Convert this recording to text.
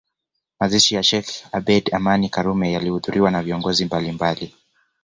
Mazishi ya Sheikh Abeid Amani Karume yalihudhuriwa na viongozi mbalimbali